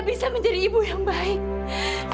minta erin aku untuk akan es